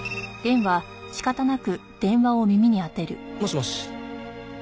もしもし。